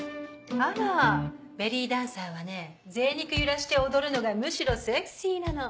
あらベリーダンサーはねぜい肉揺らして踊るのがむしろセクシーなの。